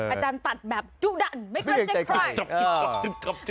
อาจารย์ตัดแบบจุดันไม่เข้าใจใคร